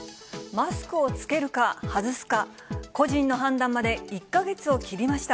マスクを着けるか外すか、個人の判断まで１か月を切りました。